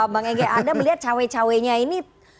bang ege anda melihat cawe cawe nya ini